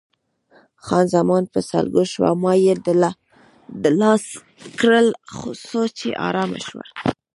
خان زمان په سلګو شوه، ما یې دلاسا کړل څو چې آرامه شوه.